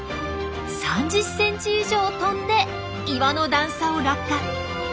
３０センチ以上跳んで岩の段差を落下。